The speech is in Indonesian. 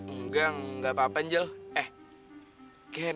enggak enggak apa apa angel eh ken